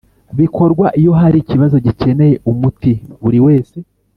bikorwa iyo hari ikibazo gikeneye umuti buri wese